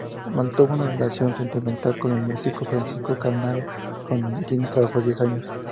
Mantuvo una relación sentimental con el músico Francisco Canaro, con quien trabajó diez años.